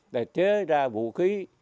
để chế ra vũ khí